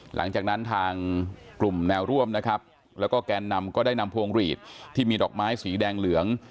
หลังจากนั้นทางกลุ่มแนวร่วมนะครับแล้วก็แกนนำก็ได้นำพวงหลีดที่มีดอกไม้สีแดงเหลือง